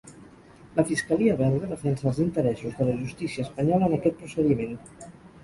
La fiscalia belga defensa els interessos de la justícia espanyola en aquest procediment.